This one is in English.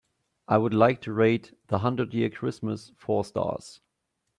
I would like to rate The Hundred-Year Christmas four stars.